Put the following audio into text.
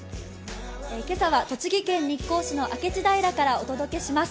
今朝は栃木県日光市の明智平からお届けします。